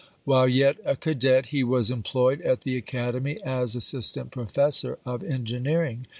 While yet a cadet he was employed at the academy as assistant professor of engineering.